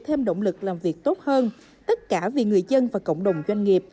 thêm động lực làm việc tốt hơn tất cả vì người dân và cộng đồng doanh nghiệp